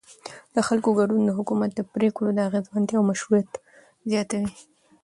د خلکو ګډون د حکومت د پرېکړو د اغیزمنتیا او مشروعیت زیاتوي